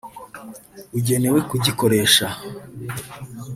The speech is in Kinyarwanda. ugenewe kugikoresha